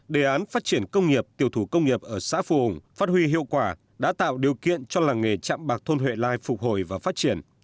đề án phát triển công nghiệp tiểu thủ công nghiệp ở xã phù hùng phát huy hiệu quả đã tạo điều kiện cho làng nghề chạm bạc thôn huệ lai phục hồi và phát triển